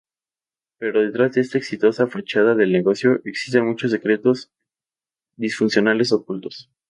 Pero detrás de esta exitosa fachada del negocio, existen muchos secretos disfuncionales ocultos.